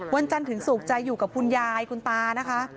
วันจันทร์ถึงศุกร์จะอยู่กับคุณยายคุณตานะคะ